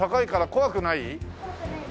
怖くない。